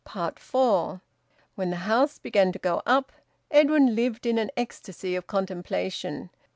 FOUR. When the house began to `go up,' Edwin lived in an ecstasy of contemplation.